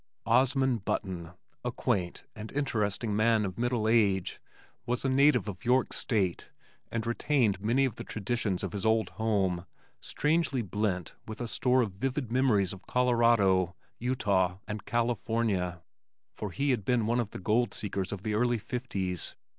Osman Button, a quaint and interesting man of middle age, was a native of York State and retained many of the traditions of his old home strangely blent with a store of vivid memories of Colorado, Utah and California, for he had been one of the gold seekers of the early fifties.